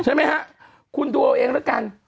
ใช่ไหมฮะคุณดูเอาเองแล้วกัน